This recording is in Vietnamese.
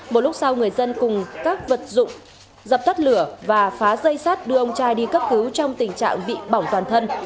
một lúc sau người dân cùng các vật dụng dập tắt lửa và phá dây sát đưa ông trai đi cấp cứu trong tình trạng bị bỏng toàn thân